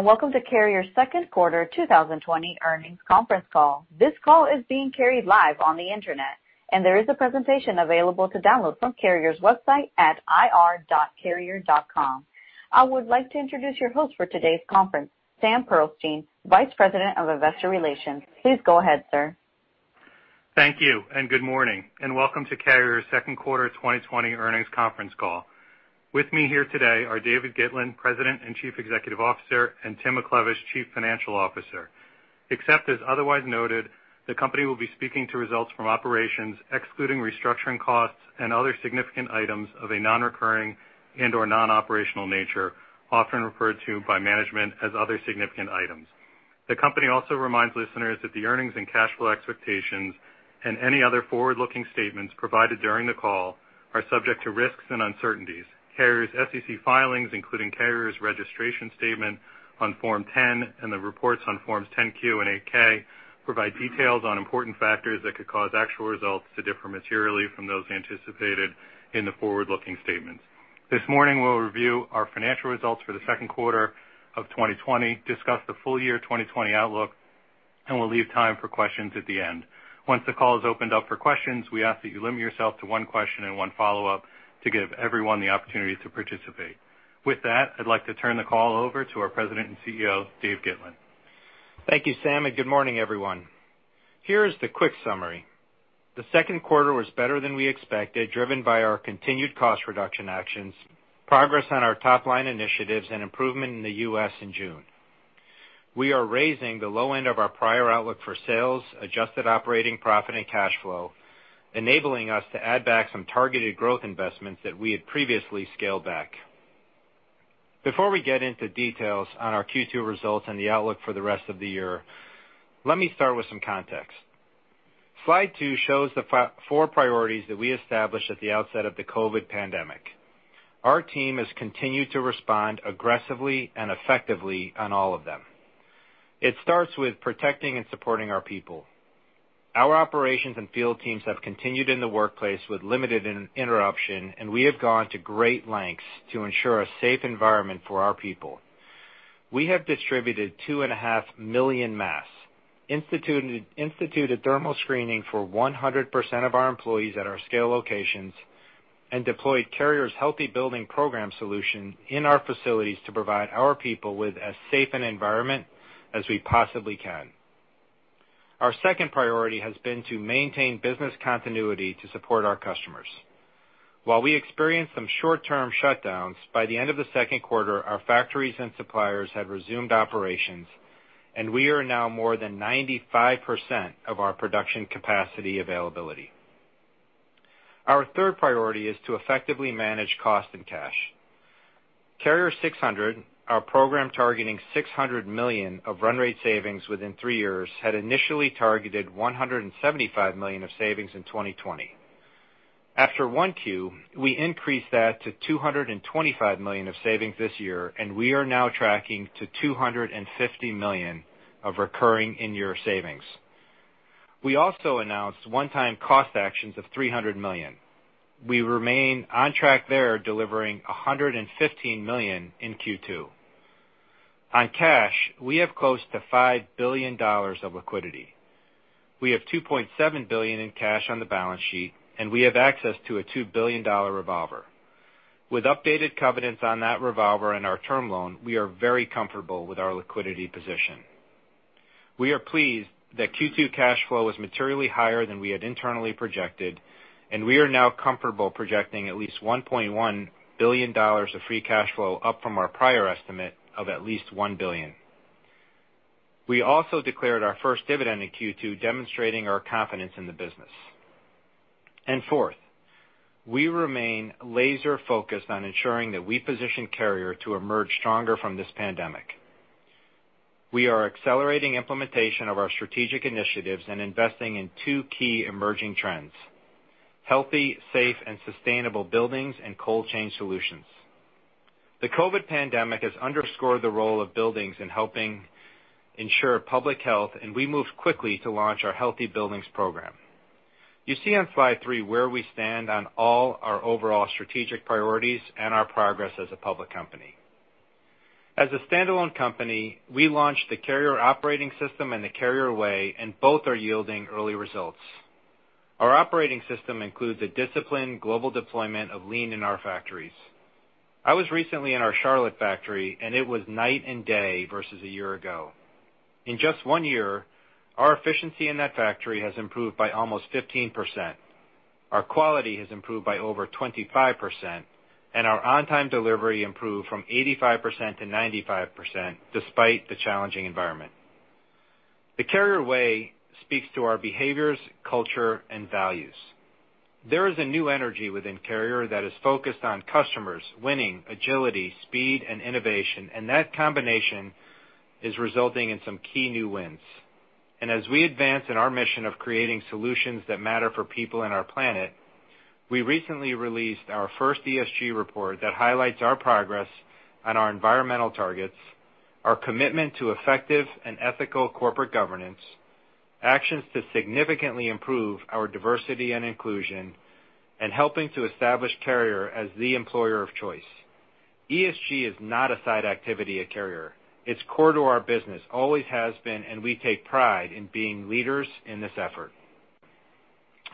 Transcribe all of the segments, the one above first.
Welcome to Carrier's Second Quarter 2020 Earnings Conference Call. This call is being carried live on the internet, and there is a presentation available to download from Carrier's website at ir.carrier.com. I would like to introduce your host for today's conference, Sam Pearlstein, Vice President, Investor Relations. Please go ahead, sir. Thank you. Good morning, and welcome to Carrier's Second Quarter 2020 Earnings Conference Call. With me here today are David Gitlin, President and Chief Executive Officer, and Tim McLevish, Chief Financial Officer. Except as otherwise noted, the company will be speaking to results from operations excluding restructuring costs and other significant items of a non-recurring and or non-operational nature, often referred to by management as other significant items. The company also reminds listeners that the earnings and cash flow expectations and any other forward-looking statements provided during the call are subject to risks and uncertainties. Carrier's SEC filings, including Carrier's registration statement on Form 10, and the reports on Forms 10-Q and 8-K, provide details on important factors that could cause actual results to differ materially from those anticipated in the forward-looking statements. This morning, we'll review our financial results for the second quarter of 2020, discuss the full year 2020 outlook, and we'll leave time for questions at the end. Once the call is opened up for questions, we ask that you limit yourself to one question and one follow-up to give everyone the opportunity to participate. With that, I'd like to turn the call over to our President and CEO, Dave Gitlin. Thank you, Sam. Good morning, everyone. Here is the quick summary. The second quarter was better than we expected, driven by our continued cost reduction actions, progress on our top-line initiatives, and improvement in the U.S. in June. We are raising the low end of our prior outlook for sales, adjusted operating profit, and cash flow, enabling us to add back some targeted growth investments that we had previously scaled back. Before we get into details on our Q2 results and the outlook for the rest of the year, let me start with some context. Slide two shows the four priorities that we established at the outset of the COVID pandemic. Our team has continued to respond aggressively and effectively on all of them. It starts with protecting and supporting our people. Our operations and field teams have continued in the workplace with limited interruption, and we have gone to great lengths to ensure a safe environment for our people. We have distributed 2.5 million masks, instituted thermal screening for 100% of our employees at our scale locations, and deployed Carrier's Healthy Buildings Program solution in our facilities to provide our people with as safe an environment as we possibly can. Our second priority has been to maintain business continuity to support our customers. While we experienced some short-term shutdowns, by the end of the second quarter, our factories and suppliers had resumed operations, and we are now more than 95% of our production capacity availability. Our third priority is to effectively manage cost and cash. Carrier 600, our program targeting $600 million of run rate savings within three years, had initially targeted $175 million of savings in 2020. After 1Q, we increased that to $225 million of savings this year, and we are now tracking to $250 million of recurring in-year savings. We also announced one-time cost actions of $300 million. We remain on track there, delivering $115 million in Q2. On cash, we have close to $5 billion of liquidity. We have $2.7 billion in cash on the balance sheet, and we have access to a $2 billion revolver. With updated covenants on that revolver and our term loan, we are very comfortable with our liquidity position. We are pleased that Q2 cash flow was materially higher than we had internally projected, and we are now comfortable projecting at least $1.1 billion of free cash flow up from our prior estimate of at least $1 billion. We also declared our first dividend in Q2, demonstrating our confidence in the business. Fourth, we remain laser-focused on ensuring that we position Carrier to emerge stronger from this pandemic. We are accelerating implementation of our strategic initiatives and investing in two key emerging trends: healthy, safe, and sustainable buildings, and cold chain solutions. The COVID pandemic has underscored the role of buildings in helping ensure public health, and we moved quickly to launch our Healthy Buildings Program. You see on slide three where we stand on all our overall strategic priorities and our progress as a public company. As a standalone company, we launched the Carrier operating system and the Carrier Way, and both are yielding early results. Our operating system includes a disciplined global deployment of Lean in our factories. I was recently in our Charlotte factory, and it was night and day versus a year ago. In just one year, our efficiency in that factory has improved by almost 15%. Our quality has improved by over 25%, and our on-time delivery improved from 85% to 95%, despite the challenging environment. The Carrier Way speaks to our behaviors, culture, and values. There is a new energy within Carrier that is focused on customers, winning, agility, speed, and innovation, and that combination is resulting in some key new wins. As we advance in our mission of creating solutions that matter for people and our planet, we recently released our first ESG report that highlights our progress on our environmental targets, our commitment to effective and ethical corporate governance, actions to significantly improve our diversity and inclusion, and helping to establish Carrier as the employer of choice. ESG is not a side activity at Carrier. It's core to our business, always has been, and we take pride in being leaders in this effort.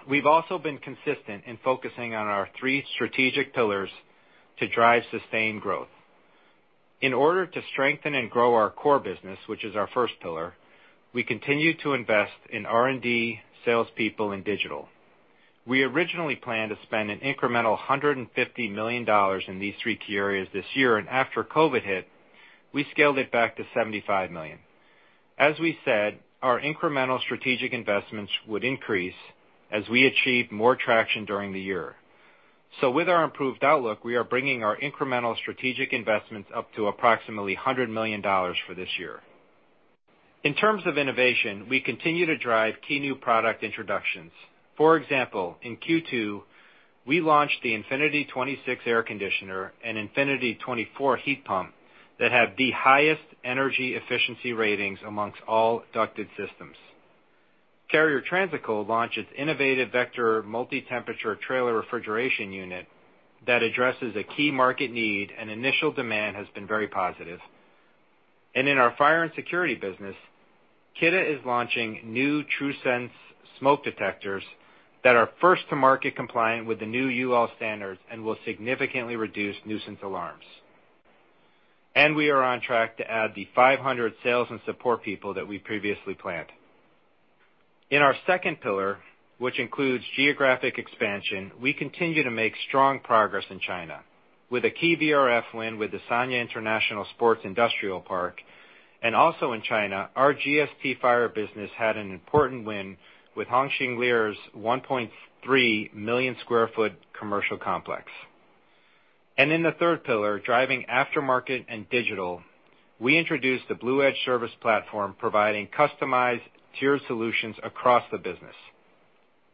We've also been consistent in focusing on our three strategic pillars to drive sustained growth. In order to strengthen and grow our core business, which is our first pillar, we continue to invest in R&D, salespeople, and digital. We originally planned to spend an incremental $150 million in these three key areas this year. After COVID hit, we scaled it back to $75 million. As we said, our incremental strategic investments would increase as we achieved more traction during the year. With our improved outlook, we are bringing our incremental strategic investments up to approximately $100 million for this year. In terms of innovation, we continue to drive key new product introductions. For example, in Q2, we launched the Infinity 26 air conditioner and Infinity 24 heat pump that have the highest energy efficiency ratings amongst all ducted systems. Carrier Transicold launched its innovative Vector multi-temperature trailer refrigeration unit that addresses a key market need, initial demand has been very positive. In our Fire and Security business, Kidde is launching new TruSense smoke detectors that are first to market compliant with the new UL standards and will significantly reduce nuisance alarms. We are on track to add the 500 sales and support people that we previously planned. In our second pillar, which includes geographic expansion, we continue to make strong progress in China with a key VRF win with the Sanya International Sports Industrial Park, also in China, our GST Fire business had an important win with Hongxingli's 1.3 million square feet commercial complex. In the third pillar, driving aftermarket and digital, we introduced the BluEdge service platform, providing customized tiered solutions across the business.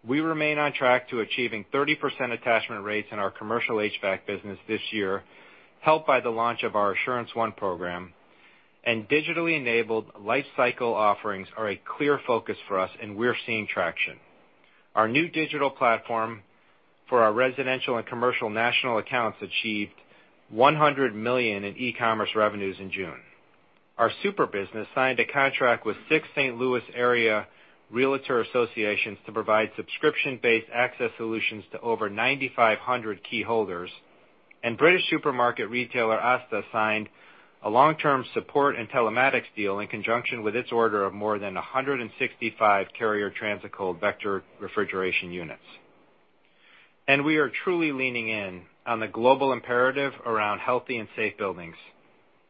We remain on track to achieving 30% attachment rates in our commercial HVAC business this year, helped by the launch of our Assurance One program. Digitally enabled lifecycle offerings are a clear focus for us, and we're seeing traction. Our new digital platform for our residential and commercial national accounts achieved $100 million in e-commerce revenues in June. Our Supra business signed a contract with six St. Louis area realtor associations to provide subscription-based access solutions to over 9,500 key holders. British supermarket retailer Asda signed a long-term support and telematics deal in conjunction with its order of more than 165 Carrier Transicold Vector refrigeration units. We are truly leaning in on the global imperative around healthy and safe buildings.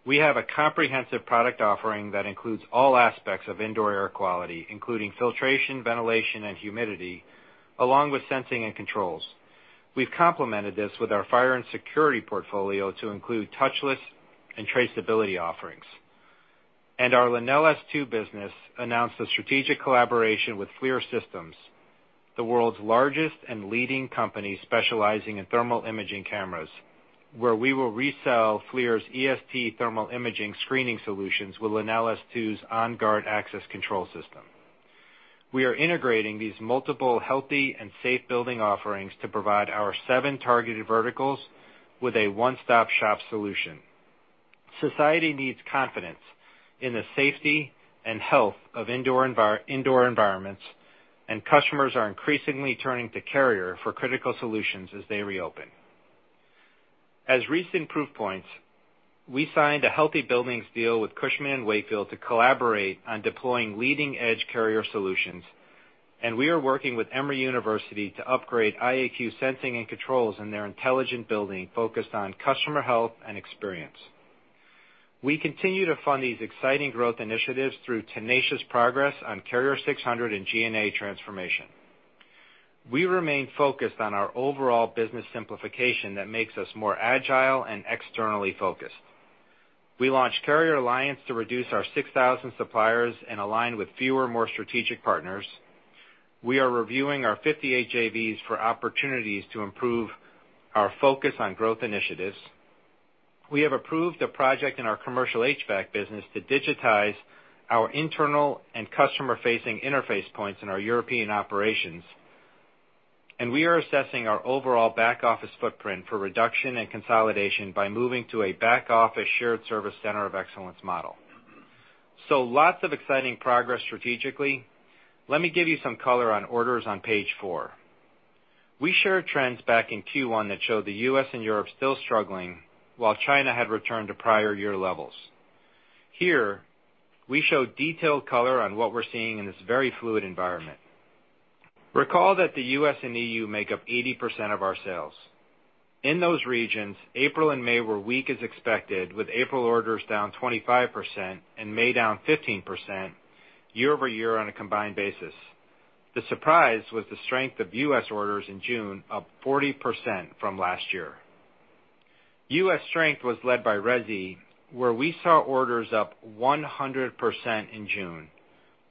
We have a comprehensive product offering that includes all aspects of indoor air quality, including filtration, ventilation, and humidity, along with sensing and controls. We've complemented this with our Fire and Security portfolio to include touchless and traceability offerings. Our LenelS2 business announced a strategic collaboration with FLIR Systems, the world's largest and leading company specializing in thermal imaging cameras, where we will resell FLIR's EST thermal imaging screening solutions with LenelS2's OnGuard access control system. We are integrating these multiple healthy and safe building offerings to provide our seven targeted verticals with a one-stop-shop solution. Society needs confidence in the safety and health of indoor environments, and customers are increasingly turning to Carrier for critical solutions as they reopen. As recent proof points, we signed a healthy buildings deal with Cushman & Wakefield to collaborate on deploying leading-edge Carrier solutions, and we are working with Emory University to upgrade IAQ sensing and controls in their intelligent building focused on customer health and experience. We continue to fund these exciting growth initiatives through tenacious progress on Carrier 600 and G&A transformation. We remain focused on our overall business simplification that makes us more agile and externally focused. We launched Carrier Alliance to reduce our 6,000 suppliers and align with fewer, more strategic partners. We are reviewing our 58 JVs for opportunities to improve our focus on growth initiatives. We have approved a project in our commercial HVAC business to digitize our internal and customer-facing interface points in our European operations. We are assessing our overall back-office footprint for reduction and consolidation by moving to a back-office shared service center of excellence model. Lots of exciting progress strategically. Let me give you some color on orders on page four. We shared trends back in Q1 that showed the U.S. and Europe still struggling, while China had returned to prior year levels. Here, we show detailed color on what we're seeing in this very fluid environment. Recall that the U.S. and EU make up 80% of our sales. In those regions, April and May were weak as expected, with April orders down 25% and May down 15% year over year on a combined basis. The surprise was the strength of U.S. orders in June, up 40% from last year. U.S. strength was led by resi, where we saw orders up 100% in June,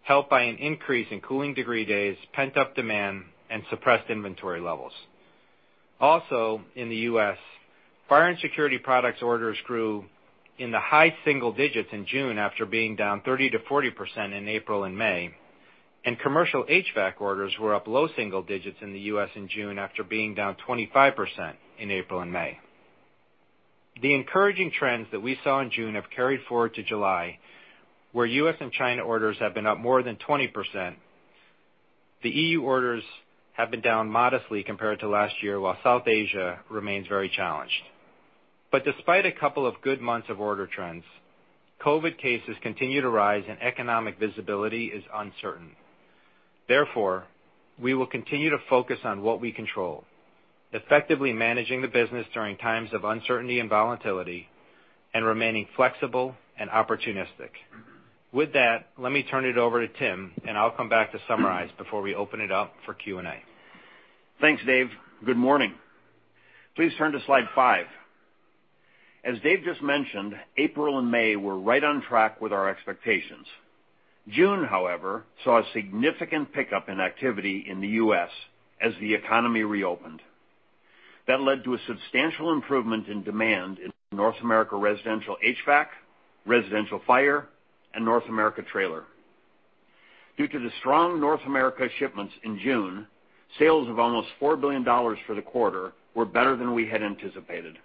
helped by an increase in cooling degree days, pent-up demand, and suppressed inventory levels. In the U.S., Fire and Security products orders grew in the high single digits in June after being down 30%-40% in April and May. Commercial HVAC orders were up low single digits in the U.S. in June after being down 25% in April and May. The encouraging trends that we saw in June have carried forward to July, where U.S. and China orders have been up more than 20%. The EU orders have been down modestly compared to last year, while South Asia remains very challenged. Despite a couple of good months of order trends, COVID cases continue to rise and economic visibility is uncertain. Therefore, we will continue to focus on what we control, effectively managing the business during times of uncertainty and volatility, and remaining flexible and opportunistic. With that, let me turn it over to Tim, and I'll come back to summarize before we open it up for Q and A. Thanks, Dave. Good morning. Please turn to slide five. As Dave just mentioned, April and May were right on track with our expectations. June, however, saw a significant pickup in activity in the U.S. as the economy reopened. That led to a substantial improvement in demand in North America residential HVAC, residential fire, and North America trailer. Due to the strong North America shipments in June, sales of almost $4 billion for the quarter were better than we had anticipated.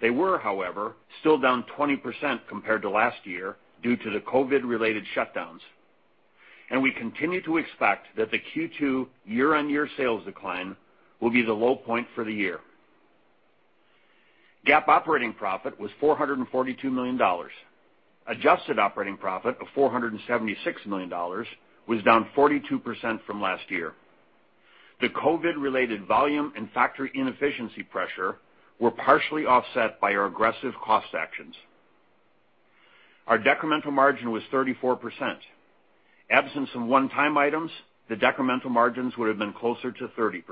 They were, however, still down 20% compared to last year due to the COVID-related shutdowns. We continue to expect that the Q2 year-on-year sales decline will be the low point for the year. GAAP operating profit was $442 million. Adjusted operating profit of $476 million was down 42% from last year. The COVID-related volume and factory inefficiency pressure were partially offset by our aggressive cost actions. Our decremental margin was 34%. Absence of one-time items, the decremental margins would've been closer to 30%.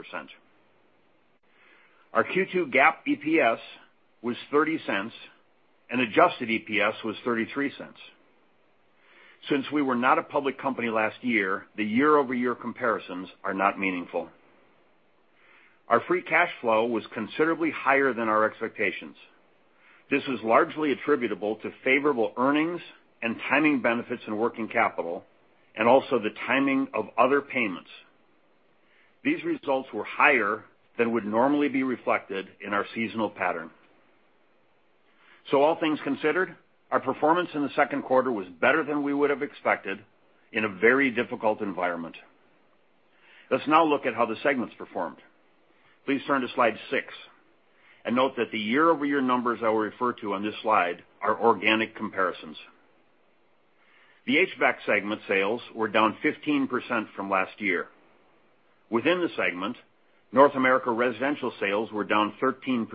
Our Q2 GAAP EPS was $0.30 and adjusted EPS was $0.33. Since we were not a public company last year, the year-over-year comparisons are not meaningful. Our free cash flow was considerably higher than our expectations. This was largely attributable to favorable earnings and timing benefits in working capital, and also the timing of other payments. These results were higher than would normally be reflected in our seasonal pattern. All things considered, our performance in the second quarter was better than we would've expected in a very difficult environment. Let's now look at how the segments performed. Please turn to slide six and note that the year-over-year numbers I will refer to on this slide are organic comparisons. The HVAC segment sales were down 15% from last year. Within the segment, North America residential sales were down 13%.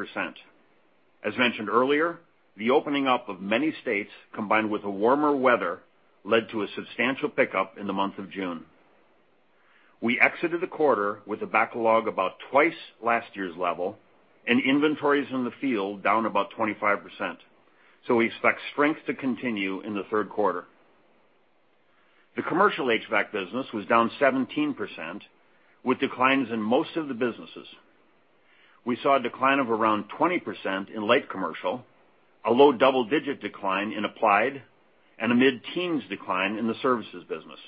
As mentioned earlier, the opening up of many states combined with the warmer weather led to a substantial pickup in the month of June. We exited the quarter with a backlog about twice last year's level and inventories in the field down about 25%, so we expect strength to continue in the third quarter. The commercial HVAC business was down 17% with declines in most of the businesses. We saw a decline of around 20% in light commercial, a low double-digit decline in applied, and a mid-teens decline in the services business.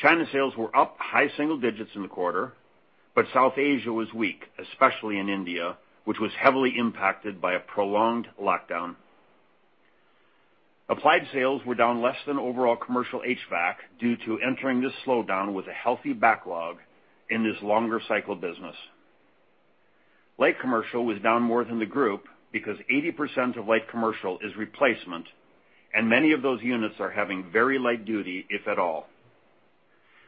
China sales were up high single digits in the quarter, but South Asia was weak, especially in India, which was heavily impacted by a prolonged lockdown. Applied sales were down less than overall commercial HVAC due to entering this slowdown with a healthy backlog in this longer cycle business. Light commercial was down more than the group because 80% of light commercial is replacement, and many of those units are having very light duty, if at all.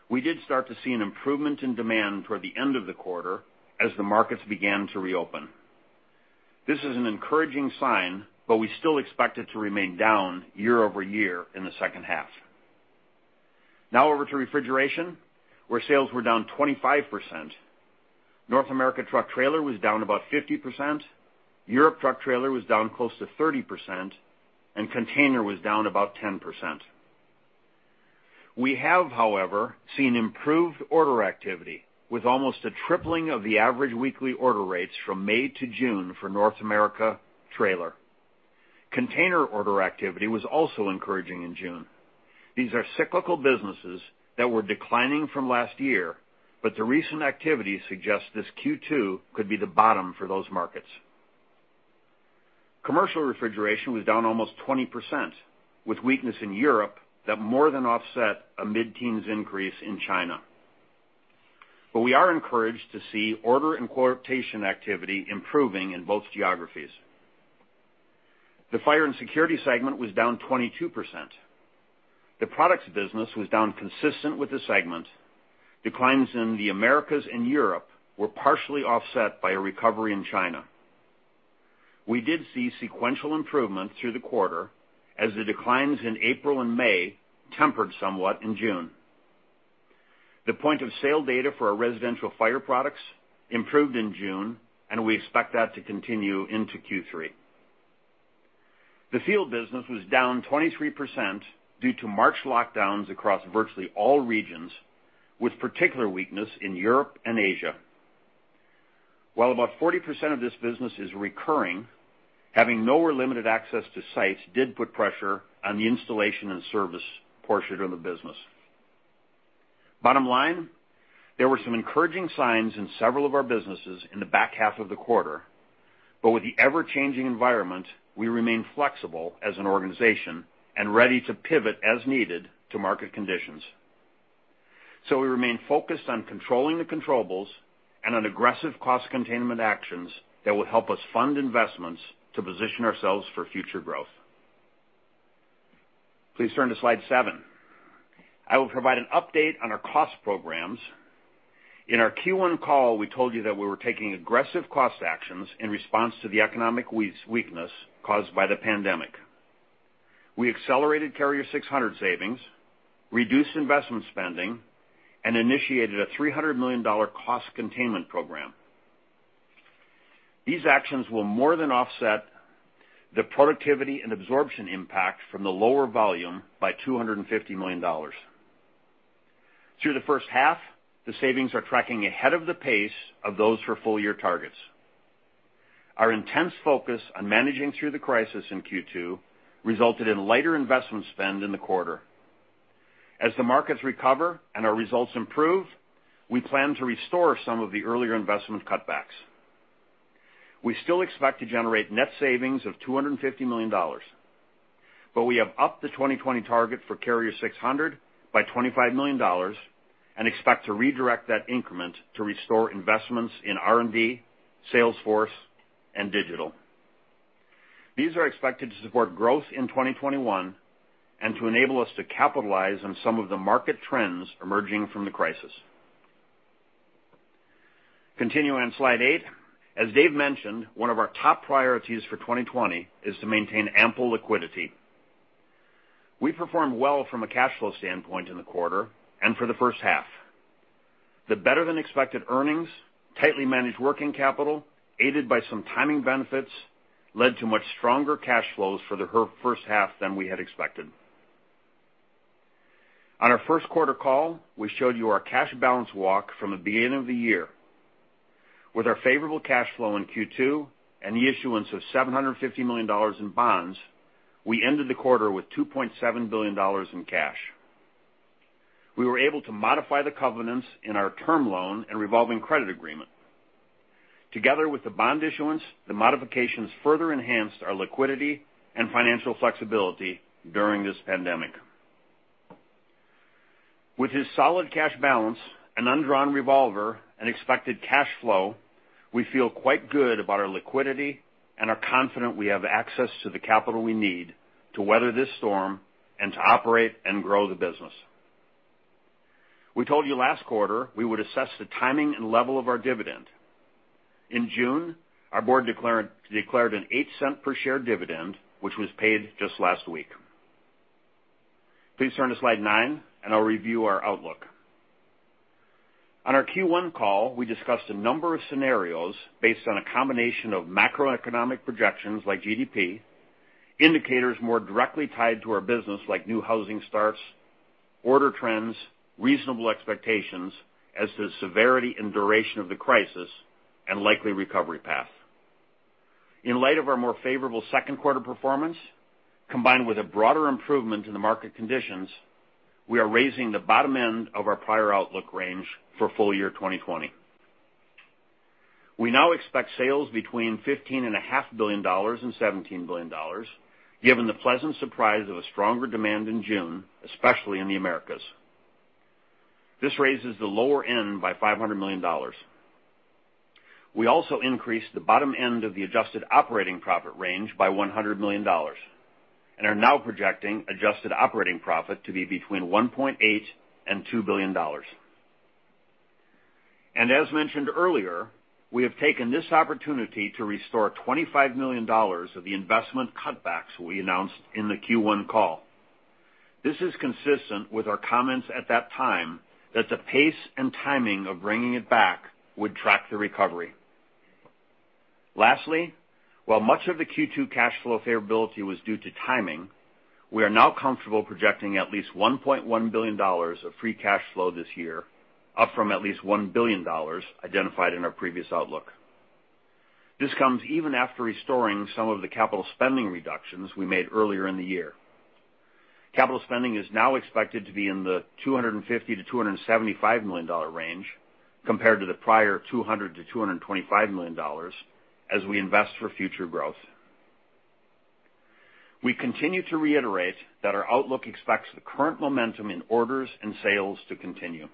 We did start to see an improvement in demand toward the end of the quarter as the markets began to reopen. This is an encouraging sign. We still expect it to remain down year-over-year in the second half. Now over to Refrigeration, where sales were down 25%. North America truck trailer was down about 50%, Europe truck trailer was down close to 30%, container was down about 10%. We have, however, seen improved order activity with almost a tripling of the average weekly order rates from May to June for North America trailer. Container order activity was also encouraging in June. These are cyclical businesses that were declining from last year. The recent activity suggests this Q2 could be the bottom for those markets. Commercial refrigeration was down almost 20%, with weakness in Europe that more than offset a mid-teens increase in China. We are encouraged to see order and quotation activity improving in both geographies. The Fire and Security segment was down 22%. The products business was down consistent with the segment. Declines in the Americas and Europe were partially offset by a recovery in China. We did see sequential improvement through the quarter as the declines in April and May tempered somewhat in June. The point of sale data for our residential fire products improved in June, and we expect that to continue into Q3. The field business was down 23% due to March lockdowns across virtually all regions, with particular weakness in Europe and Asia. While about 40% of this business is recurring, having no or limited access to sites did put pressure on the installation and service portion of the business. Bottom line, there were some encouraging signs in several of our businesses in the back half of the quarter. With the ever-changing environment, we remain flexible as an organization and ready to pivot as needed to market conditions. We remain focused on controlling the controllables and on aggressive cost containment actions that will help us fund investments to position ourselves for future growth. Please turn to slide seven. I will provide an update on our cost programs. In our Q1 call, we told you that we were taking aggressive cost actions in response to the economic weakness caused by the pandemic. We accelerated Carrier 600 savings, reduced investment spending, and initiated a $300 million cost containment program. These actions will more than offset the productivity and absorption impact from the lower volume by $250 million. Through the first half, the savings are tracking ahead of the pace of those for full-year targets. Our intense focus on managing through the crisis in Q2 resulted in lighter investment spend in the quarter. As the markets recover and our results improve, we plan to restore some of the earlier investment cutbacks. We still expect to generate net savings of $250 million. We have upped the 2020 target for Carrier 600 by $25 million and expect to redirect that increment to restore investments in R&D, sales force, and digital. These are expected to support growth in 2021 and to enable us to capitalize on some of the market trends emerging from the crisis. Continue on slide eight. As Dave mentioned, one of our top priorities for 2020 is to maintain ample liquidity. We performed well from a cash flow standpoint in the quarter and for the first half. The better-than-expected earnings, tightly managed working capital, aided by some timing benefits, led to much stronger cash flows for the first half than we had expected. On our first quarter call, we showed you our cash balance walk from the beginning of the year. With our favorable cash flow in Q2 and the issuance of $750 million in bonds, we ended the quarter with $2.7 billion in cash. We were able to modify the covenants in our term loan and revolving credit agreement. Together with the bond issuance, the modifications further enhanced our liquidity and financial flexibility during this pandemic. With this solid cash balance and undrawn revolver and expected cash flow, we feel quite good about our liquidity and are confident we have access to the capital we need to weather this storm and to operate and grow the business. We told you last quarter we would assess the timing and level of our dividend. In June, our Board declared a $0.08 per share dividend, which was paid just last week. Please turn to slide nine, and I'll review our outlook. On our Q1 call, we discussed a number of scenarios based on a combination of macroeconomic projections like GDP, indicators more directly tied to our business, like new housing starts, order trends, reasonable expectations as to the severity and duration of the crisis, and likely recovery path. In light of our more favorable second quarter performance, combined with a broader improvement in the market conditions, we are raising the bottom end of our prior outlook range for full-year 2020. We now expect sales between $15.5 billion and $17 billion, given the pleasant surprise of a stronger demand in June, especially in the Americas. This raises the lower end by $500 million. We also increased the bottom end of the adjusted operating profit range by $100 million and are now projecting adjusted operating profit to be between $1.8 billion and $2 billion. As mentioned earlier, we have taken this opportunity to restore $25 million of the investment cutbacks we announced in the Q1 call. This is consistent with our comments at that time that the pace and timing of bringing it back would track the recovery. Lastly, while much of the Q2 cash flow favorability was due to timing, we are now comfortable projecting at least $1.1 billion of free cash flow this year, up from at least $1 billion identified in our previous outlook. This comes even after restoring some of the capital spending reductions we made earlier in the year. Capital spending is now expected to be in the $250 million-$275 million range, compared to the prior $200 million-$225 million, as we invest for future growth. We continue to reiterate that our outlook expects the current momentum in orders and sales to continue.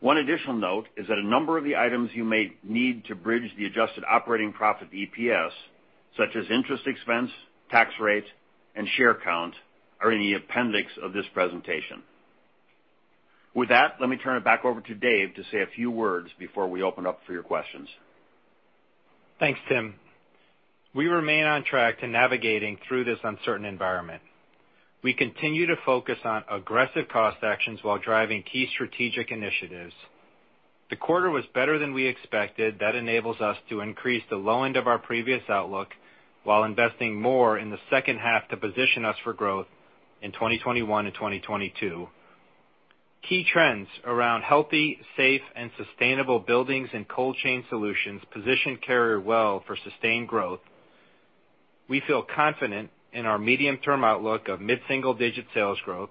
One additional note is that a number of the items you may need to bridge the adjusted operating profit EPS, such as interest expense, tax rates, and share count, are in the appendix of this presentation. With that, let me turn it back over to Dave to say a few words before we open up for your questions. Thanks, Tim. We remain on track to navigating through this uncertain environment. We continue to focus on aggressive cost actions while driving key strategic initiatives. The quarter was better than we expected. That enables us to increase the low end of our previous outlook while investing more in the second half to position us for growth in 2021 and 2022. Key trends around healthy, safe, and sustainable buildings and cold chain solutions position Carrier well for sustained growth. We feel confident in our medium-term outlook of mid-single-digit sales growth,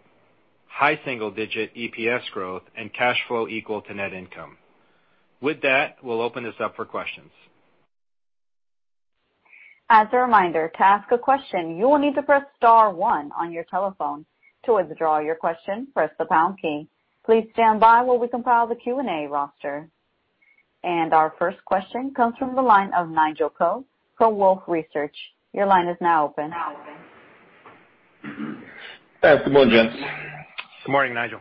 high single-digit EPS growth, and cash flow equal to net income. With that, we'll open this up for questions. As a reminder, to ask a question, you will need to press star one on your telephone. To withdraw your question, press the pound key. Please stand by while we compile the Q and A roster. Our first question comes from the line of Nigel Coe from Wolfe Research. Your line is now open. Good morning, gents. Good morning, Nigel.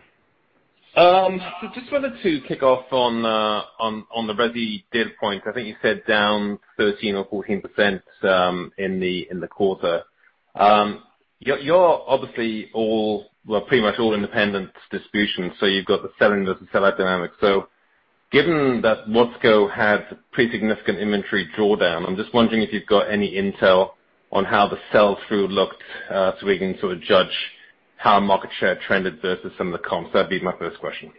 Just wanted to kick off on the resi data point. I think you said down 13 or 14% in the quarter. You're obviously all, well, pretty much all independent distribution. You've got the sell and the sell-out dynamics. Given that Watsco had a pretty significant inventory drawdown, I'm just wondering if you've got any intel on how the sell-through looked, so we can sort of judge how market share trended versus some of the comps. That'd be my first question.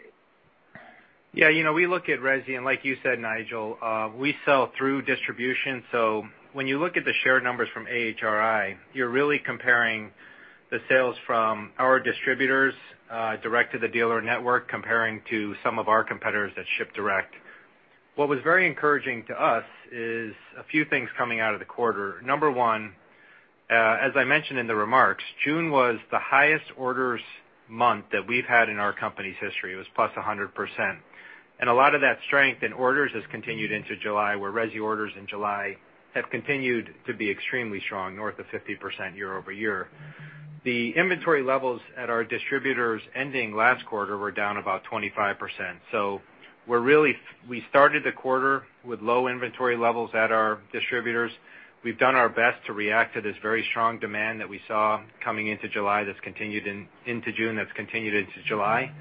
We look at resi, and like you said, Nigel, we sell through distribution. When you look at the shared numbers from AHRI, you're really comparing the sales from our distributors direct to the dealer network, comparing to some of our competitors that ship direct. What was very encouraging to us is a few things coming out of the quarter. Number one, as I mentioned in the remarks, June was the highest orders month that we've had in our company's history. It was +100%. A lot of that strength in orders has continued into July, where resi orders in July have continued to be extremely strong, north of 50% year-over-year. The inventory levels at our distributors ending last quarter were down about 25%. We started the quarter with low inventory levels at our distributors. We've done our best to react to this very strong demand that we saw coming into July, that's continued into June, that's continued into July.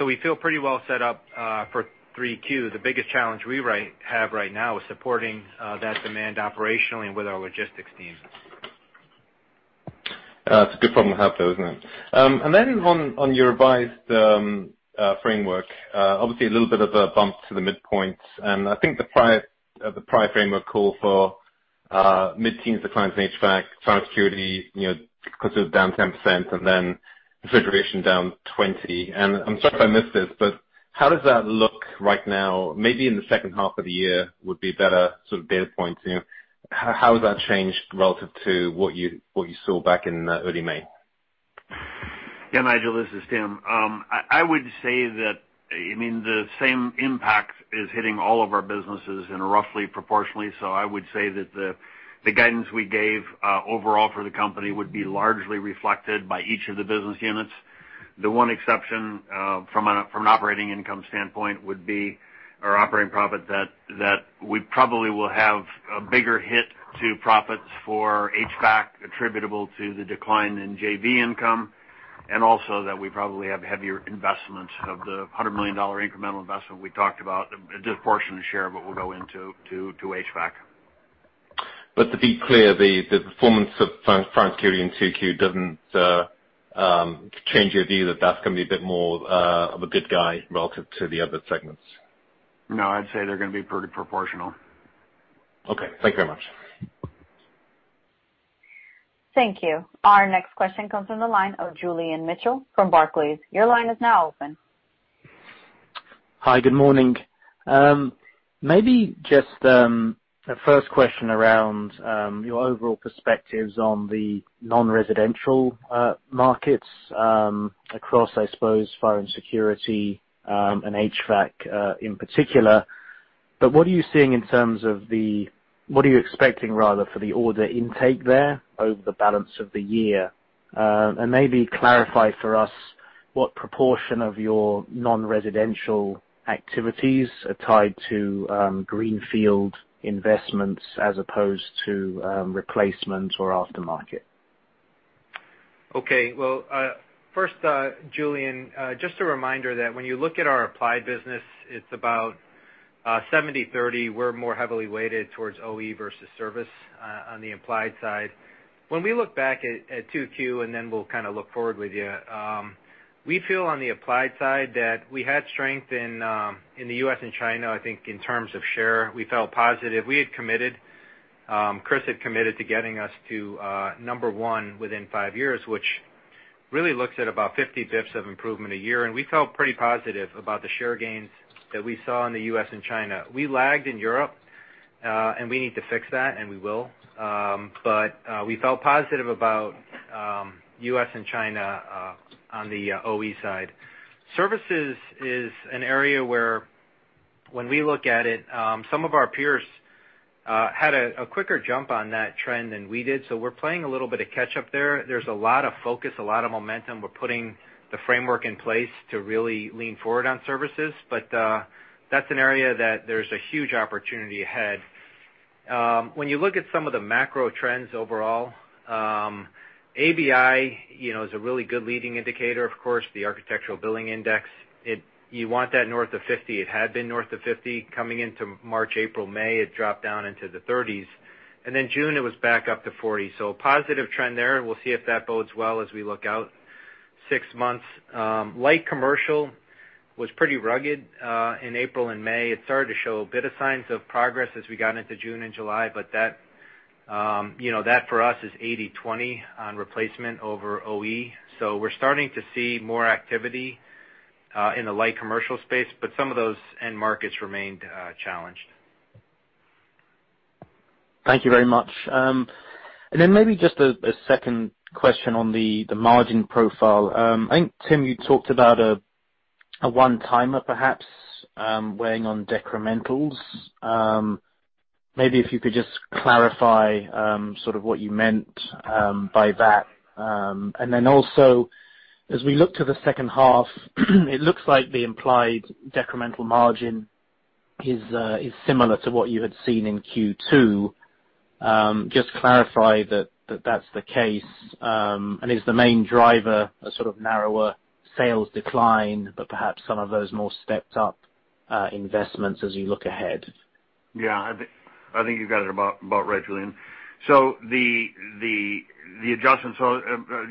We feel pretty well set up for 3Q. The biggest challenge we have right now is supporting that demand operationally and with our logistics team. That's a good problem to have though, isn't it? On your revised framework, obviously a little bit of a bump to the midpoint, and I think the prior framework call for mid-teens declines in HVAC, Fire and Security because it was down 10%, then Refrigeration down 20%. I'm sorry if I missed this, but how does that look right now? Maybe in the second half of the year would be better sort of data point. How has that changed relative to what you saw back in early May? Yeah, Nigel, this is Tim. I would say that the same impact is hitting all of our businesses and roughly proportionally so. I would say that the guidance we gave overall for the company would be largely reflected by each of the business units. The one exception from an operating income standpoint would be our operating profit that we probably will have a bigger hit to profits for HVAC attributable to the decline in JV income, and also that we probably have heavier investments of the $100 million incremental investment we talked about, a disproportionate share of it will go into HVAC. To be clear, the performance of Fire and Security in 2Q doesn't change your view that that's going to be a bit more of a good guy relative to the other segments? No, I'd say they're going to be pretty proportional. Okay. Thank you very much. Thank you. Our next question comes from the line of Julian Mitchell from Barclays. Your line is now open. Hi. Good morning. Maybe just a first question around your overall perspectives on the non-residential markets across, I suppose, Fire and Security, and HVAC in particular. What are you seeing, what are you expecting, rather, for the order intake there over the balance of the year? Maybe clarify for us what proportion of your non-residential activities are tied to greenfield investments as opposed to replacement or aftermarket. Okay. Well, first Julian, just a reminder that when you look at our applied business, it's about 70/30. We're more heavily weighted towards OE versus service on the applied side. When we look back at 2Q, and then we'll kind of look forward with you, we feel on the applied side that we had strength in the U.S. and China, I think, in terms of share. We felt positive. Chris had committed to getting us to number one within five years, which really looks at about 50 basis points of improvement a year, and we felt pretty positive about the share gains that we saw in the U.S. and China. We lagged in Europe. We need to fix that, and we will. We felt positive about U.S. and China on the OE side. Services is an area where when we look at it, some of our peers had a quicker jump on that trend than we did, so we're playing a little bit of catch up there. There's a lot of focus, a lot of momentum. We're putting the framework in place to really lean forward on services. That's an area that there's a huge opportunity ahead. When you look at some of the macro trends overall, ABI is a really good leading indicator, of course, the architectural billing index. You want that north of 50. It had been north of 50 coming into March, April. May, it dropped down into the 30s, and then June it was back up to 40. A positive trend there, and we'll see if that bodes well as we look out six months. Light commercial was pretty rugged in April and May. It started to show a bit of signs of progress as we got into June and July, but that for us is 80/20 on replacement over OE. We're starting to see more activity in the light commercial space, but some of those end markets remained challenged. Thank you very much. Maybe just a second question on the margin profile. I think, Tim, you talked about a one-timer perhaps, weighing on decrementals. Maybe if you could just clarify sort of what you meant by that. As we look to the second half, it looks like the implied decremental margin is similar to what you had seen in Q2. Just clarify that that's the case. Is the main driver a sort of narrower sales decline, but perhaps some of those more stepped-up investments as you look ahead? Yeah. I think you got it about right, Julian. The adjustments,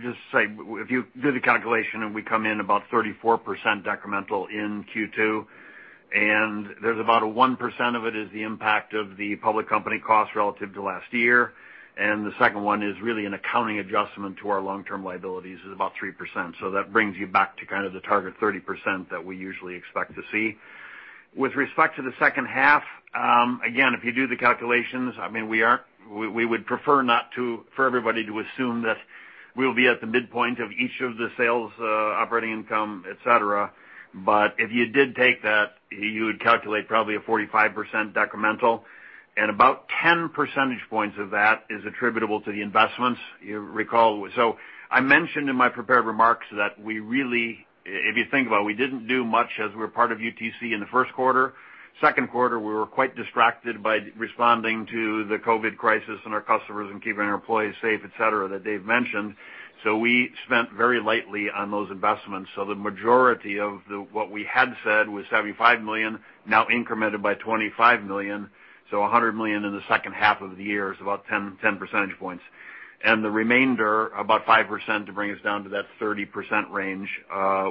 just to say, if you do the calculation and we come in about 34% decremental in Q2, and there's about a 1% of it is the impact of the public company cost relative to last year. The second one is really an accounting adjustment to our long-term liabilities is about 3%. That brings you back to kind of the target 30% that we usually expect to see. With respect to the second half, again, if you do the calculations, we would prefer for everybody to assume that we'll be at the midpoint of each of the sales, operating income, et cetera. If you did take that, you would calculate probably a 45% decremental and about 10 percentage points of that is attributable to the investments, you recall. I mentioned in my prepared remarks, if you think about it, we didn't do much as we were part of UTC in the first quarter. Second quarter, we were quite distracted by responding to the COVID crisis and our customers and keeping our employees safe, et cetera, that Dave mentioned. We spent very lightly on those investments. The majority of what we had said was $75 million, now incremented by $25 million. $100 million in the second half of the year is about 10 percentage points. The remainder, about 5% to bring us down to that 30% range,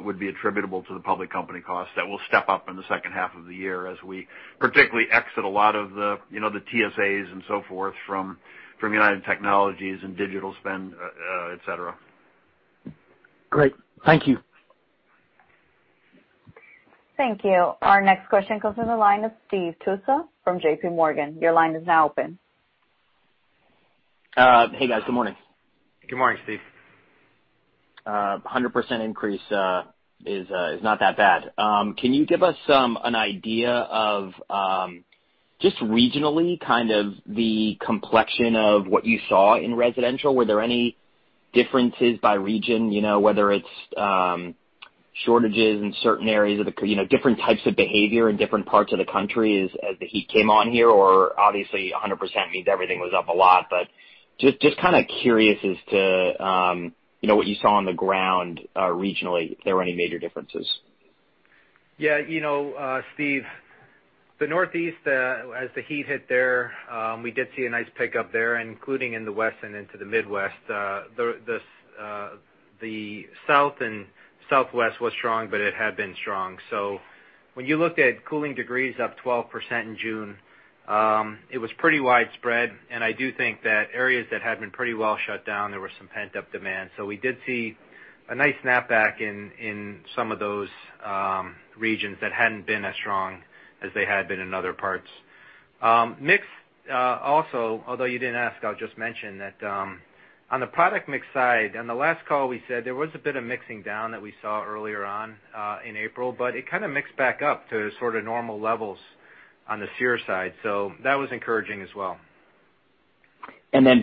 would be attributable to the public company cost that will step up in the second half of the year as we particularly exit a lot of the TSAs and so forth from United Technologies and digital spend, et cetera. Great. Thank you. Thank you. Our next question goes to the line of Steve Tusa from JPMorgan. Your line is now open. Hey, guys. Good morning. Good morning, Steve. A 100% increase is not that bad. Can you give us an idea of, just regionally, kind of the complexion of what you saw in residential? Were there any differences by region, whether it's shortages in certain areas, different types of behavior in different parts of the country as the heat came on here, or obviously 100% means everything was up a lot, but just kind of curious as to what you saw on the ground regionally, if there were any major differences. Yeah, Steve, the Northeast, as the heat hit there, we did see a nice pickup there, including in the West and into the Midwest. The South and Southwest was strong, but it had been strong. When you looked at cooling degrees up 12% in June, it was pretty widespread. I do think that areas that had been pretty well shut down, there was some pent-up demand. We did see a nice snapback in some of those regions that hadn't been as strong as they had been in other parts. Also, although you didn't ask, I'll just mention that on the product mix side, on the last call, we said there was a bit of mixing down that we saw earlier on in April, but it kind of mixed back up to sort of normal levels on the SEER side. That was encouraging as well.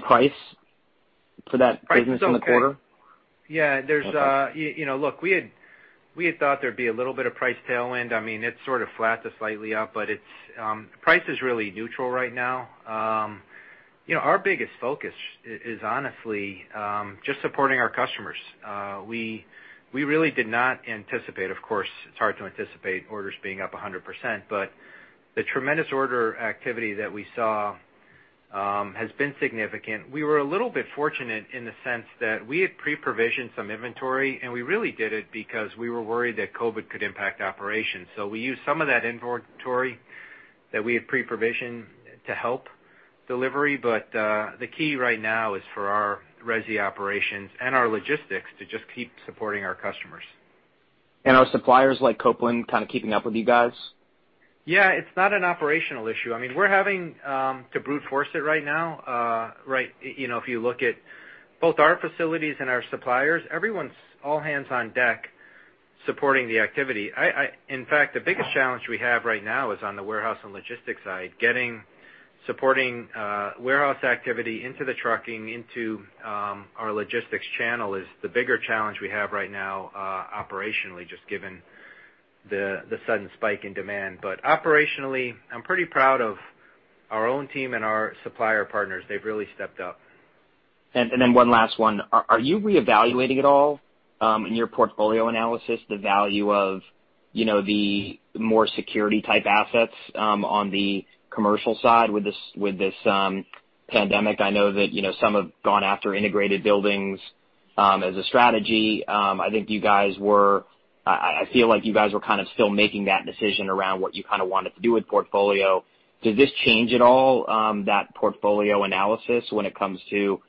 Price for that business in the quarter? Price is okay. Yeah. Okay. We had thought there'd be a little bit of price tailwind. It's sort of flat to slightly up, price is really neutral right now. Our biggest focus is honestly just supporting our customers. We really did not anticipate, of course, it's hard to anticipate orders being up 100%, the tremendous order activity that we saw has been significant. We were a little bit fortunate in the sense that we had pre-provisioned some inventory, we really did it because we were worried that COVID could impact operations. We used some of that inventory that we had pre-provisioned to help delivery. The key right now is for our resi operations and our logistics to just keep supporting our customers. Are suppliers like Copeland kind of keeping up with you guys? Yeah, it's not an operational issue. We're having to brute force it right now. If you look at both our facilities and our suppliers, everyone's all hands on deck supporting the activity. In fact, the biggest challenge we have right now is on the warehouse and logistics side. Supporting warehouse activity into the trucking, into our logistics channel is the bigger challenge we have right now operationally, just given the sudden spike in demand. Operationally, I'm pretty proud of our own team and our supplier partners. They've really stepped up. One last one. Are you reevaluating at all in your portfolio analysis, the value of the more security type assets on the commercial side with this pandemic? I know that some have gone after integrated buildings as a strategy. I feel like you guys were kind of still making that decision around what you kind of wanted to do with portfolio. Does this change at all, that portfolio analysis when it comes to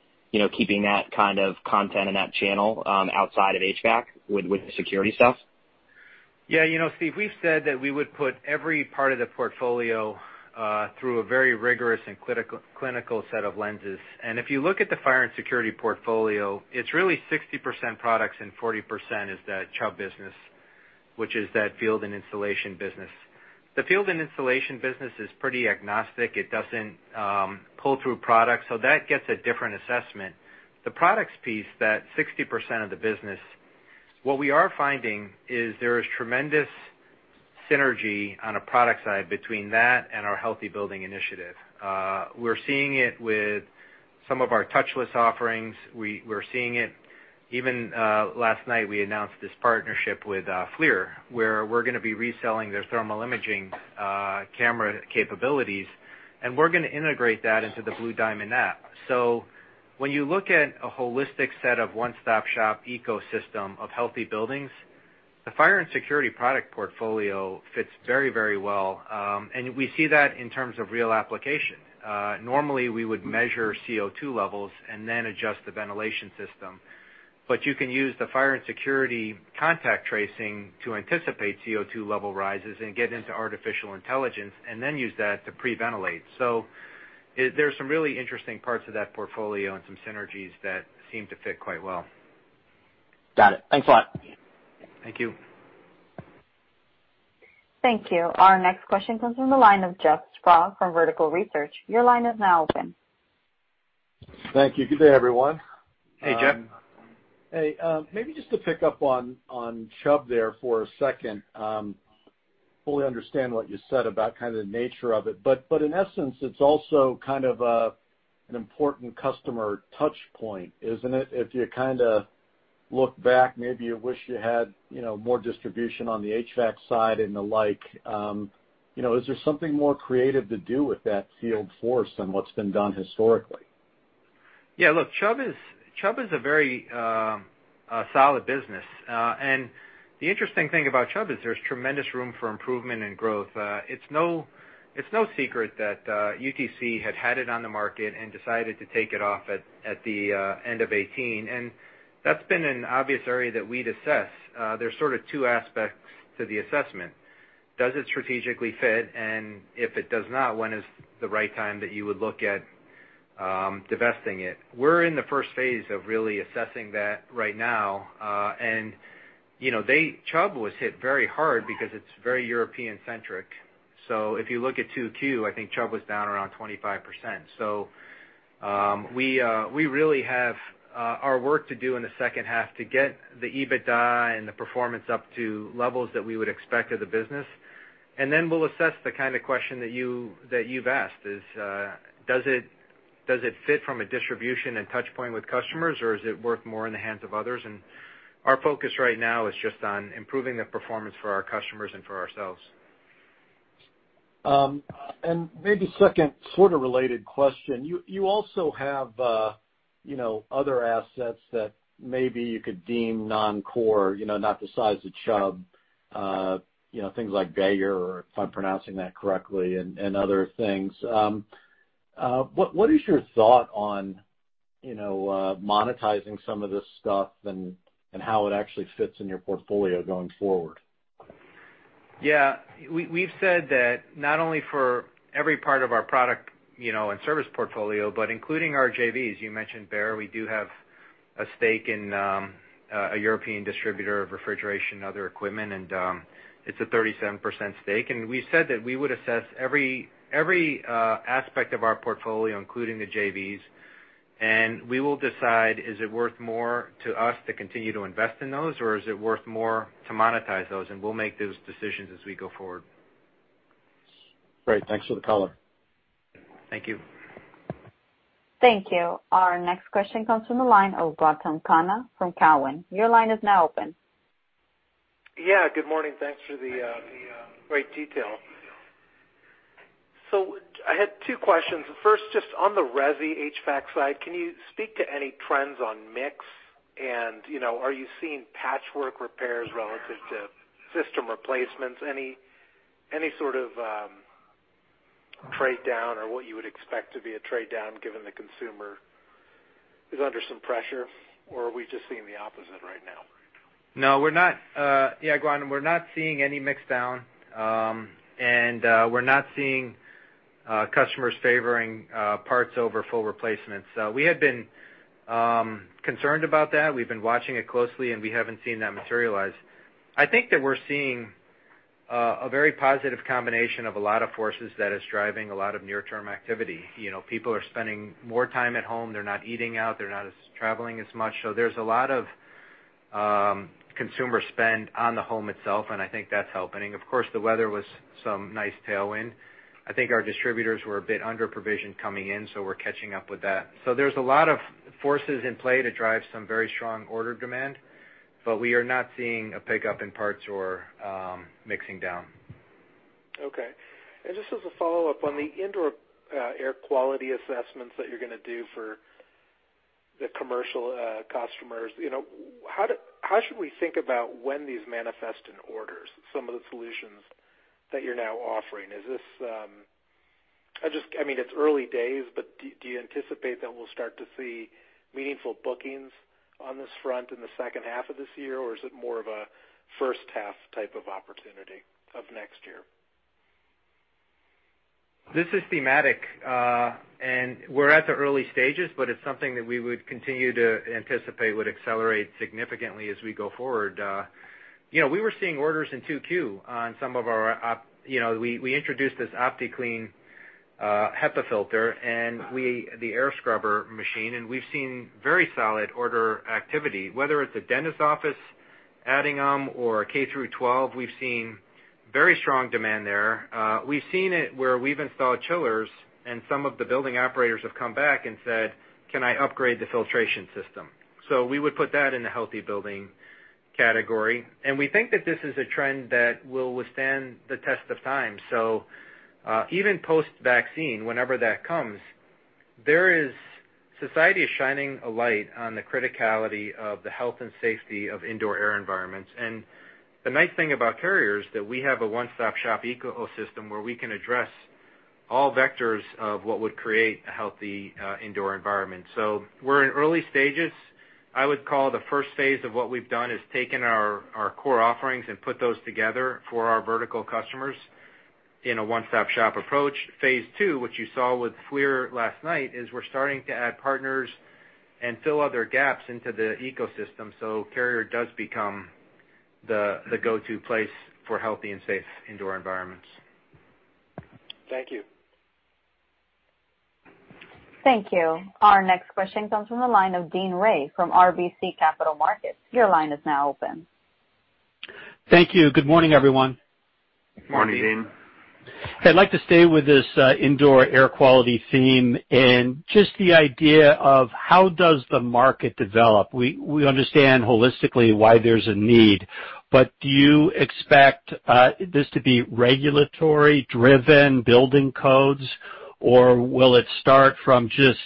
keeping that kind of content and that channel outside of HVAC with the security stuff? Yeah, Steve, we've said that we would put every part of the portfolio through a very rigorous and clinical set of lenses. If you look at the Fire and Security portfolio, it's really 60% products and 40% is that Chubb business, which is that field and installation business. The field and installation business is pretty agnostic. It doesn't pull through products, so that gets a different assessment. The products piece, that 60% of the business, what we are finding is there is tremendous synergy on a product side between that and our healthy building initiative. We're seeing it with some of our touchless offerings. Even last night, we announced this partnership with FLIR, where we're going to be reselling their thermal imaging camera capabilities, and we're going to integrate that into the BlueDiamond app. When you look at a holistic set of one-stop shop ecosystem of healthy buildings, the Fire and Security product portfolio fits very well. We see that in terms of real application. Normally, we would measure CO2 levels and then adjust the ventilation system. You can use the fire and security contact tracing to anticipate CO2 level rises and get into artificial intelligence, and then use that to pre-ventilate. There's some really interesting parts of that portfolio and some synergies that seem to fit quite well. Got it. Thanks a lot. Thank you. Thank you. Our next question comes from the line of Jeff Sprague from Vertical Research. Your line is now open. Thank you. Good day, everyone. Hey, Jeff. Hey, maybe just to pick up on Chubb there for a second. Fully understand what you said about kind of the nature of it. In essence, it's also kind of an important customer touch point, isn't it? If you kind of look back, maybe you wish you had more distribution on the HVAC side and the like. Is there something more creative to do with that field force than what's been done historically? Yeah, look, Chubb is a very solid business. The interesting thing about Chubb is there's tremendous room for improvement and growth. It's no secret that UTC had it on the market and decided to take it off at the end of 2018. That's been an obvious area that we'd assess. There's sort of two aspects to the assessment. Does it strategically fit? If it does not, when is the right time that you would look at divesting it? We're in the first phase of really assessing that right now. Chubb was hit very hard because it's very European-centric. If you look at 2Q, I think Chubb was down around 25%. We really have our work to do in the second half to get the EBITDA and the performance up to levels that we would expect of the business. Then we'll assess the kind of question that you've asked is, does it fit from a distribution and touchpoint with customers or is it worth more in the hands of others? Our focus right now is just on improving the performance for our customers and for ourselves. Maybe second sort of related question. You also have other assets that maybe you could deem non-core, not the size of Chubb, things like Beijer, if I'm pronouncing that correctly, and other things. What is your thought on monetizing some of this stuff and how it actually fits in your portfolio going forward? Yeah. We've said that not only for every part of our product and service portfolio, but including our JVs. You mentioned Beijer. We do have a stake in a European distributor of refrigeration and other equipment. It's a 37% stake. We said that we would assess every aspect of our portfolio, including the JVs, and we will decide, is it worth more to us to continue to invest in those or is it worth more to monetize those? We'll make those decisions as we go forward. Great. Thanks for the color. Thank you. Thank you. Our next question comes from the line of Gautam Khanna from Cowen. Your line is now open. Yeah, good morning. Thanks for the great detail. I had two questions. First, just on the resi HVAC side, can you speak to any trends on mix? Are you seeing patchwork repairs relative to system replacements? Any sort of trade down or what you would expect to be a trade down given the consumer is under some pressure or are we just seeing the opposite right now? No, we're not. Yeah, Gautam, we're not seeing any mix down. We're not seeing customers favoring parts over full replacements. We had been concerned about that. We've been watching it closely, and we haven't seen that materialize. I think that we're seeing a very positive combination of a lot of forces that is driving a lot of near-term activity. People are spending more time at home. They're not eating out, they're not traveling as much. There's a lot of consumer spend on the home itself, and I think that's helping. Of course, the weather was some nice tailwind. I think our distributors were a bit under-provisioned coming in, so we're catching up with that. There's a lot of forces in play to drive some very strong order demand, but we are not seeing a pickup in parts or mixing down. Okay. Just as a follow-up, on the indoor air quality assessments that you're going to do for the commercial customers, how should we think about when these manifest in orders, some of the solutions that you're now offering? It's early days. Do you anticipate that we'll start to see meaningful bookings on this front in the second half of this year, or is it more of a first half type of opportunity of next year? This is thematic. We're at the early stages, but it's something that we would continue to anticipate would accelerate significantly as we go forward. We were seeing orders in 2Q we introduced this OptiClean HEPA filter and the air scrubber machine, and we've seen very solid order activity. Whether it's a dentist's office adding them or a K through 12, we've seen very strong demand there. We've seen it where we've installed chillers and some of the building operators have come back and said, "Can I upgrade the filtration system?" We would put that in the healthy building category, and we think that this is a trend that will withstand the test of time. Even post-vaccine, whenever that comes, society is shining a light on the criticality of the health and safety of indoor air environments. The nice thing about Carrier is that we have a one-stop shop ecosystem where we can address all vectors of what would create a healthy indoor environment. We're in early stages. I would call the first phase of what we've done is taken our core offerings and put those together for our vertical customers in a one-stop shop approach. Phase II, which you saw with FLIR last night, is we're starting to add partners and fill other gaps into the ecosystem. Carrier does become the go-to place for healthy and safe indoor environments. Thank you. Thank you. Our next question comes from the line of Deane Dray from RBC Capital Markets. Your line is now open. Thank you. Good morning, everyone. Morning, Deane. I'd like to stay with this indoor air quality theme and just the idea of how does the market develop. We understand holistically why there's a need. Do you expect this to be regulatory driven building codes, or will it start from just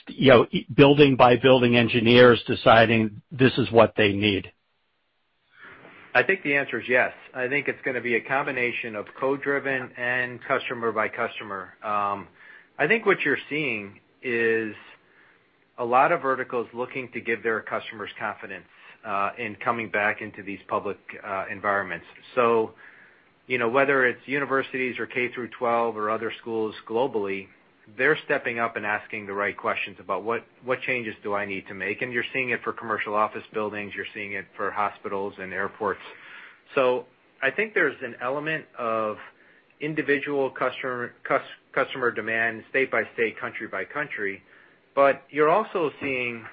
building by building engineers deciding this is what they need? I think the answer is yes. I think it's going to be a combination of code driven and customer by customer. I think what you're seeing is a lot of verticals looking to give their customers confidence in coming back into these public environments. Whether it's universities or K through 12 or other schools globally, they're stepping up and asking the right questions about what changes do I need to make. You're seeing it for commercial office buildings. You're seeing it for hospitals and airports. I think there's an element of individual customer demand state by state, country by country. You're also seeing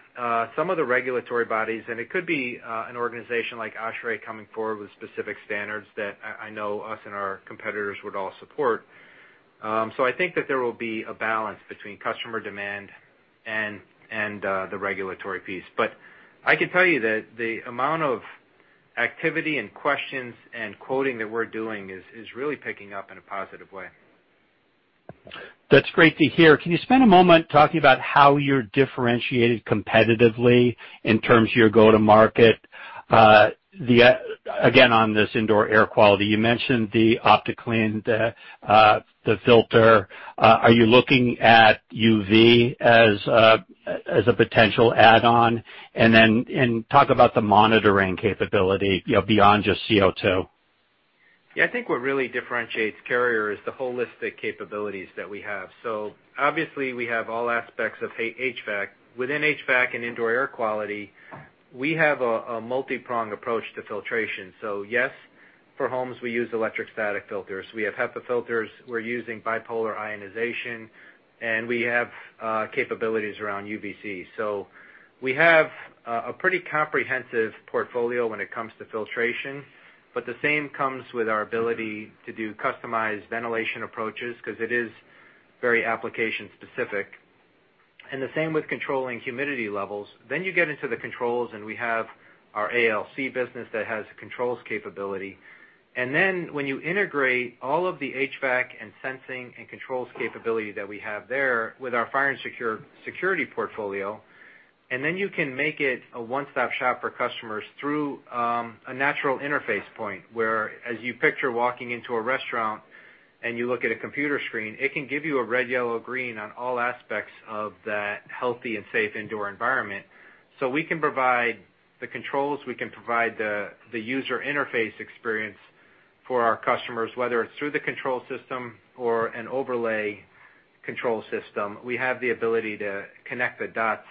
some of the regulatory bodies, and it could be an organization like ASHRAE coming forward with specific standards that I know us and our competitors would all support. I think that there will be a balance between customer demand and the regulatory piece. I can tell you that the amount of activity and questions and quoting that we're doing is really picking up in a positive way. That's great to hear. Can you spend a moment talking about how you're differentiated competitively in terms of your go to market? On this Indoor air quality, you mentioned the OptiClean, the filter. Are you looking at UV as a potential add-on? Talk about the monitoring capability beyond just CO2. I think what really differentiates Carrier is the holistic capabilities that we have. Obviously we have all aspects of HVAC. Within HVAC and indoor air quality, we have a multi-pronged approach to filtration. Yes, for homes, we use electrostatic filters. We have HEPA filters. We're using bipolar ionization, and we have capabilities around UVC. We have a pretty comprehensive portfolio when it comes to filtration, the same comes with our ability to do customized ventilation approaches because it is very application specific, the same with controlling humidity levels. You get into the controls, we have our ALC business that has controls capability. When you integrate all of the HVAC and sensing and controls capability that we have there with our fire and security portfolio, you can make it a one stop shop for customers through a natural interface point where as you picture walking into a restaurant and you look at a computer screen, it can give you a red, yellow, green on all aspects of that healthy and safe indoor environment. We can provide the controls, we can provide the user interface experience for our customers, whether it's through the control system or an overlay control system. We have the ability to connect the dots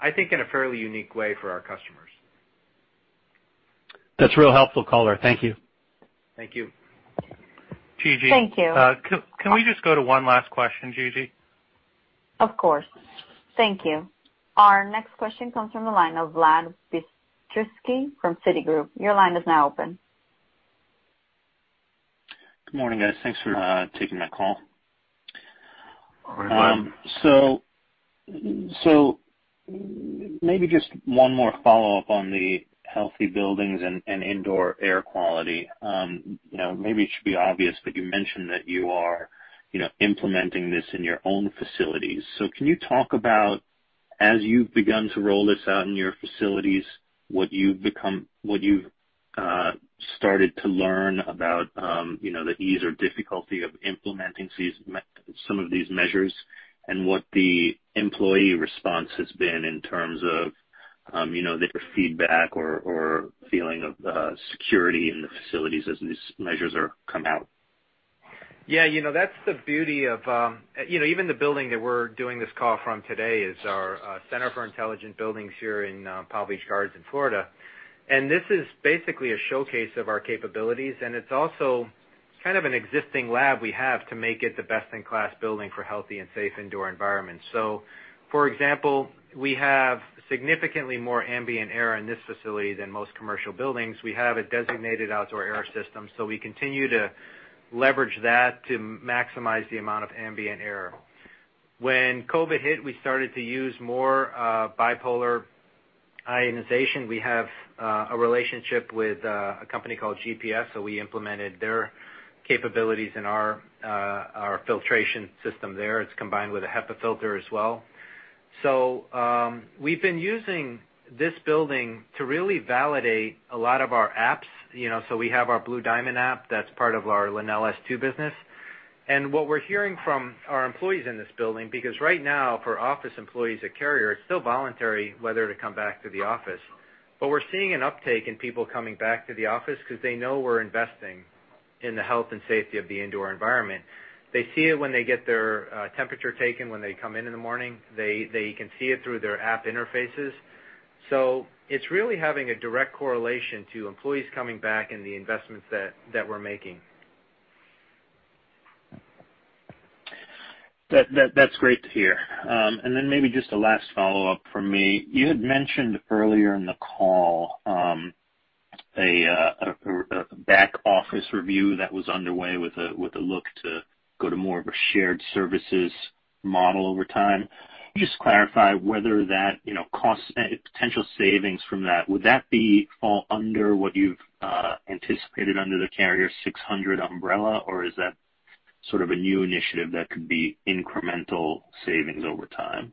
I think in a fairly unique way for our customers. That's real helpful color. Thank you. Thank you. Gigi? Thank you. Can we just go to one last question, Gigi? Of course. Thank you. Our next question comes from the line of Vlad Bystricky from Citigroup. Your line is now open. Good morning, guys. Thanks for taking my call. Good morning, Vlad. Maybe just one more follow-up on the Healthy Buildings Program and indoor air quality. Maybe it should be obvious, but you mentioned that you are implementing this in your own facilities. Can you talk about, as you've begun to roll this out in your facilities, what you've started to learn about the ease or difficulty of implementing some of these measures and what the employee response has been in terms of their feedback or feeling of security in the facilities as these measures come out? Yeah, even the building that we're doing this call from today is our Center for Intelligent Buildings here in Palm Beach Gardens, Florida. This is basically a showcase of our capabilities, and it's also kind of an existing lab we have to make it the best-in-class building for healthy and safe indoor environments. For example, we have significantly more ambient air in this facility than most commercial buildings. We have a designated outdoor air system, so we continue to leverage that to maximize the amount of ambient air. When COVID hit, we started to use more bipolar ionization. We have a relationship with a company called GPS, so we implemented their capabilities in our filtration system there. It's combined with a HEPA filter as well. We've been using this building to really validate a lot of our apps. We have our BlueDiamond app that's part of our LenelS2 business. What we're hearing from our employees in this building, because right now, for office employees at Carrier, it's still voluntary whether to come back to the office. We're seeing an uptake in people coming back to the office because they know we're investing in the health and safety of the indoor environment. They see it when they get their temperature taken when they come in in the morning. They can see it through their app interfaces. It's really having a direct correlation to employees coming back and the investments that we're making. That's great to hear. Maybe just a last follow-up from me. You had mentioned earlier in the call, a back-office review that was underway with a look to go to more of a shared services model over time. Can you just clarify whether that potential savings from that, would that fall under what you've anticipated under the Carrier 600 umbrella, or is that sort of a new initiative that could be incremental savings over time?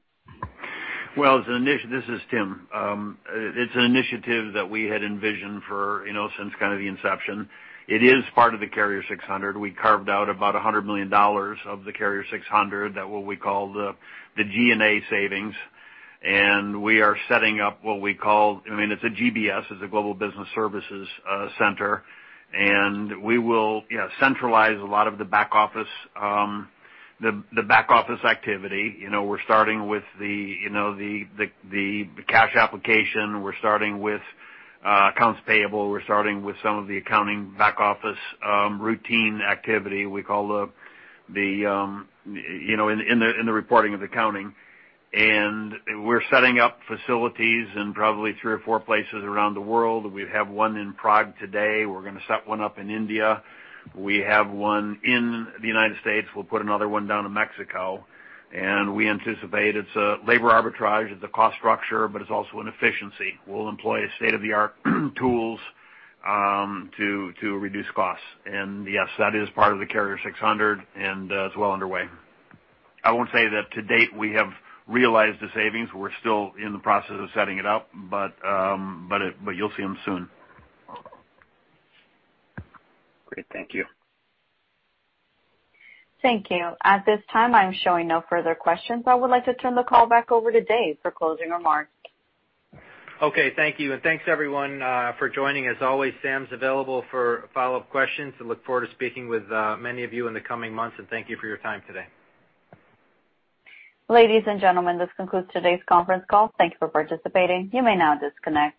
Well, this is Tim. It's an initiative that we had envisioned since kind of the inception. It is part of the Carrier 600. We carved out about $100 million of the Carrier 600, that what we call the G&A savings. We are setting up what we call, it's a GBS. It's a Global Business Services center, and we will centralize a lot of the back office activity. We're starting with the cash application. We're starting with accounts payable. We're starting with some of the accounting back office routine activity. We call the, in the reporting of accounting. We're setting up facilities in probably three or four places around the world. We have one in Prague today. We're going to set one up in India. We have one in the United States. We'll put another one down in Mexico, and we anticipate it's a labor arbitrage. It's a cost structure, but it's also an efficiency. We'll employ state-of-the-art tools to reduce costs. Yes, that is part of the Carrier 600, and it's well underway. I won't say that to date we have realized the savings. We're still in the process of setting it up, but you'll see them soon. Great. Thank you. Thank you. At this time, I'm showing no further questions. I would like to turn the call back over to Dave for closing remarks. Okay. Thank you, and thanks, everyone, for joining. As always, Sam's available for follow-up questions and look forward to speaking with many of you in the coming months, and thank you for your time today. Ladies and gentlemen, this concludes today's conference call. Thank you for participating. You may now disconnect.